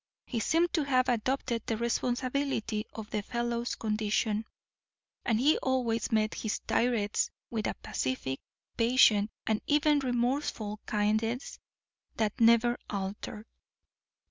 He seemed to have adopted the responsibility of the fellow's condition, and he always met his tirades with a pacific, patient, and even remorseful kindness that never altered.